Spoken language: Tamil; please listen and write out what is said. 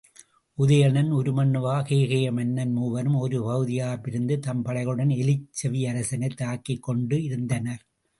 உதயணன், உருண்ணுவா, கேகய மன்னன் மூவரும் ஒரு பகுதியாகப் பிரிந்து தம் படைகளுடன் எலிச் செவியரசனைத் தாக்கிக் கொண்டிருந்தனர்.